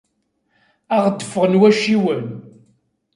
Ad aɣ-d-ffɣen wacciwen.